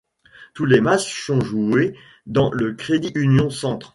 Tous les matchs sont joués dans le Credit Union Centre.